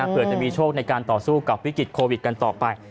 เพื่อจะมีโชคในการต่อสู้กับวิกฤตโควิดกันต่อไป